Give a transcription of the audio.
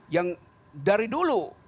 yang dari dulu